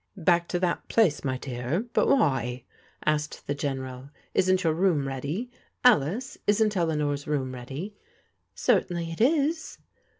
" Back to that place, my dear. But why ?" asked the General. " Isn't your room ready ? Alice, isn't Eleanor's room readv?" " Certainlv it is."